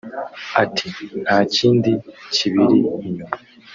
Ati “Nta kindi kibiri inyuma